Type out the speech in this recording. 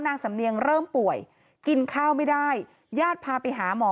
นางสำเนียงเริ่มป่วยกินข้าวไม่ได้ญาติพาไปหาหมอ